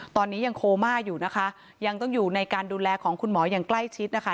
ตอนนี้ยังโคม่าอยู่นะคะยังต้องอยู่ในการดูแลของคุณหมออย่างใกล้ชิดนะคะ